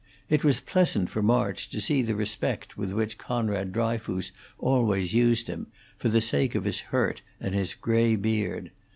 It was pleasant for March to see the respect with which Conrad Dryfoos always used him, for the sake of his hurt and his gray beard.